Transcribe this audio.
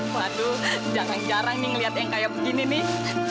waduh jangan jarang nih ngeliat yang kayak begini nih